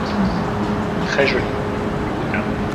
Très joli… un bouddha.